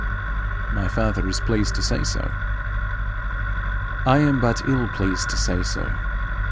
'My father is pleased to say so.' 'I am but evil pleased to say so.